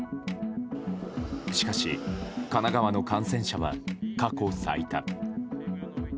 しかし神奈川の感染者は過去最多。